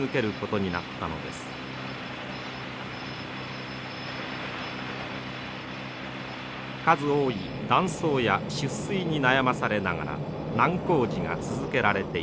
数多い断層や出水に悩まされながら難工事が続けられています。